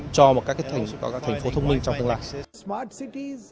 cho các thành phố thông minh trong tương lai